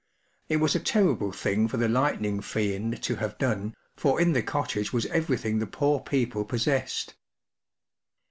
It was a terrible thing for the Lightning Fiend to have done, for in the cottage was everything the poor people possessed.